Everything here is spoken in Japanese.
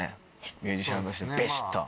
ミュージシャンとしてびしっと。